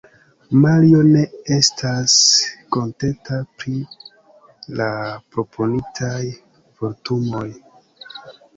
Mario ne estas kontenta pri la proponitaj vortumoj.